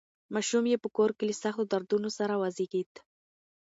ماشوم یې په کور کې له سختو دردونو سره وزېږېد.